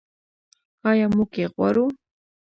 آیا موږ یې غواړو؟